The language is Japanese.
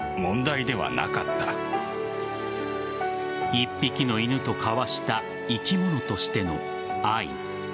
１匹の犬と交わした生き物としての愛。